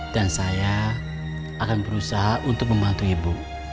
dan saya akan berusaha untuk membantu ibu